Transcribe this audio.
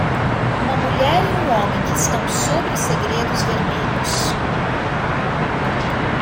Uma mulher e um homem que estão sobre segredos vermelhos.